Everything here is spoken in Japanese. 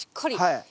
はい。